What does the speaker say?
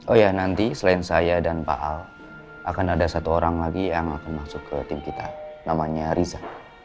oh ya nanti selain saya dan pak al akan ada satu orang lagi yang akan masuk ke tim kita namanya riza